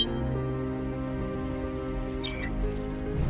keselamatan perikonomi dan sistim keuangan